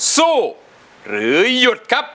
สู้หรือหยุดครับ